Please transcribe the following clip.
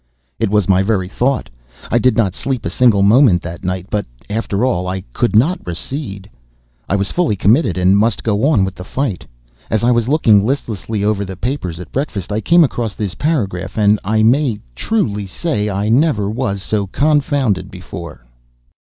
It was my very thought! I did not sleep a single moment that night. But, after all, I could not recede. I was fully committed, and must go on with the fight. As I was looking listlessly over the papers at breakfast I came across this paragraph, and I may truly say I never was so confounded before.